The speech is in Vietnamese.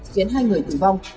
khiến hai người tử vong